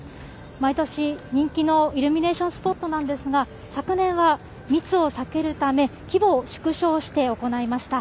毎年人気のイルミネーションスポットなんですが、昨年は密を避けるため、規模を縮小して行いました。